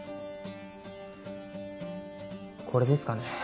これですかね。